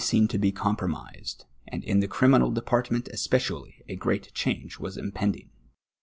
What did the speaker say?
seen to be compromisotl, and in the criminal dopartmont especially a great change M'as impending.